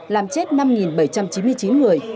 làm chết năm bảy trăm chín mươi chín người